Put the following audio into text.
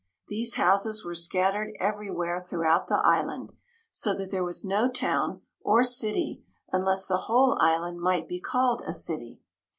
These houses were scattered everywhere throughout the island, so that there was no town or city, unless the whole island might be called a city.